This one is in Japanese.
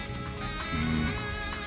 うん。